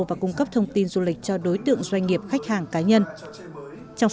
và cung cấp thông tin du lịch cho đối tượng doanh nghiệp khách hàng cá nhân